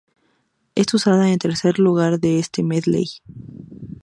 Es usada en tercer lugar de este medley.